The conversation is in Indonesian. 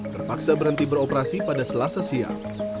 terpaksa berhenti beroperasi pada selasa siang